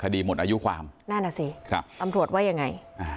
คดีหมดอายุความนั่นน่ะสิครับตำรวจว่ายังไง